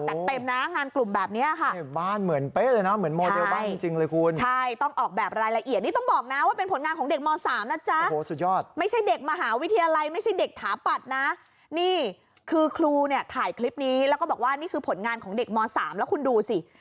งานกลุ่มแบบนี้ค่ะบ้านเหมือนเป๊ะเลยนะเหมือนโมเดลบ้านจริงเลยคุณใช่ต้องออกแบบรายละเอียดนี่ต้องบอกนะว่าเป็นผลงานของเด็กม๓นะจ๊ะโอ้โหสุดยอดไม่ใช่เด็กมหาวิทยาลัยไม่ใช่เด็กถาปัตย์นะนี่คือครูเนี่ยถ่ายคลิปนี้แล้วก็บอกว่านี่คือผลงานของเด็กม๓แล้วคุณดูสิ